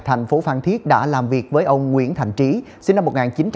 tp phan thiết đã làm việc với ông nguyễn thành trí sinh năm một nghìn chín trăm tám mươi ba